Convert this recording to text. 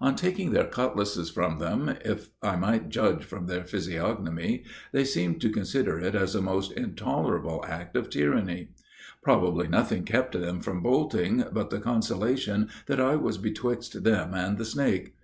On taking their cutlasses from them, if I might judge from their physiognomy, they seemed to consider it as a most intolerable act of tyranny. Probably nothing kept them from bolting, but the consolation that I was betwixt them and the snake.